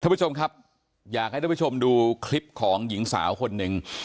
ผู้ชมครับอยากให้ท่านผู้ชมดูคลิปของหญิงสาวคนหนึ่ง